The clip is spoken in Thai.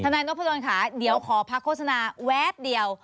นายนพดลค่ะเดี๋ยวขอพักโฆษณาแวบเดียว